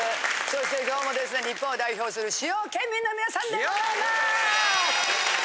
そして今日もですね日本を代表する主要県民の皆さんでございます！